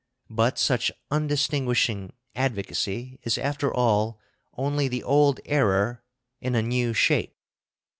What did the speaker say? But such undistinguishing advocacy is after all only the old error in a new shape.